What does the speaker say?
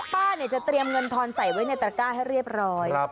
ป้าจะเตรียมเงินทอนใส่ไว้ในตระก้าให้เรียบร้อย